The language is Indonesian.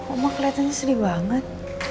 oma kelihatannya sedih banget